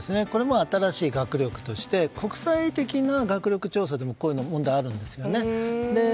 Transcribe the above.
これも新しい学力として国際的な学力調査でもこういう問題があるんですよ。